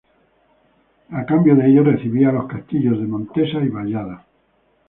A cambio de ello recibía los castillos de Montesa y Vallada.